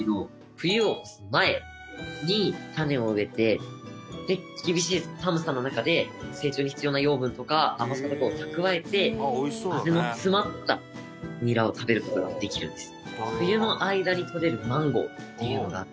冬を越す前にタネを植えて厳しい寒さの中で成長に必要な養分とか甘さとかを蓄えて味の詰まったニラを食べる事ができるんです。